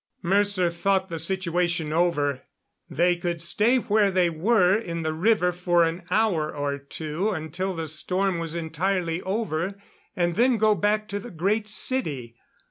Mercer thought the situation over. They could stay where they were in the river for an hour or two until the storm was entirely over, and then go back to the Great City.